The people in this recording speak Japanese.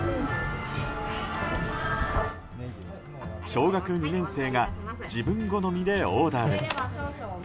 小学２年生が自分好みでオーダーです。